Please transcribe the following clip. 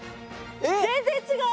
全然違う！